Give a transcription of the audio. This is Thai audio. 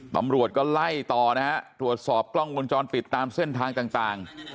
ตำรวจก็ไล่ต่อนะฮะตรวจสอบกล้องวงจรปิดตามเส้นทางต่าง